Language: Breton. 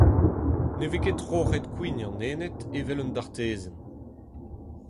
Ne vez ket troc’het kouign an Ened evel un dartezenn !